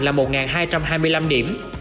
là một hai trăm hai mươi năm điểm